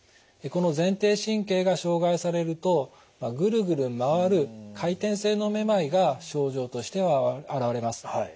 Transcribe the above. この前庭神経が障害されるとぐるぐる回る回転性のめまいが症状としては現れます。